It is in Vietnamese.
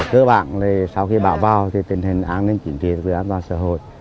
cơ bản là sau khi bão vào thì tình hình an ninh chỉnh trị tình hình an toàn xã hội